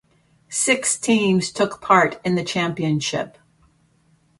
Six teams took part in the championship.